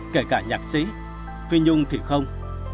kể cả nhạc sĩ phi nhung thì không